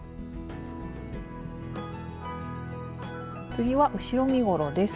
次は後ろ身ごろです。